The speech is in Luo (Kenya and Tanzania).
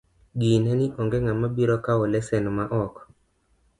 Ginee ni onge ng'ama biro kawo lesen ma ok